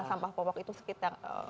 sampah popok itu sekitar